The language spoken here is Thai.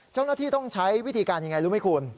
เจ้าหน้าที่ต้องใช้วิธีการอย่างไรรู้ไหมคุณ